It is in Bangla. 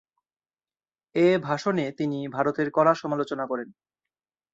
এ ভাষণে তিনি ভারতের কড়া সমালোচনা করেন।